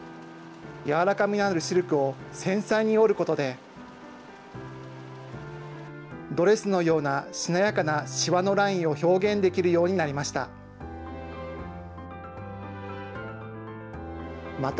柔らかみのあるシルクを繊細に織ることで、ドレスのような、しなやかなしわのラインを表現できるようになりました。